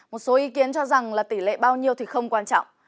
một số ý kiến cho rằng là tỷ lệ bao nhiêu thì không quan trọng